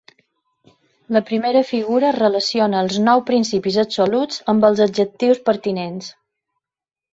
La primera figura relaciona els nou principis absoluts amb els adjectius pertinents.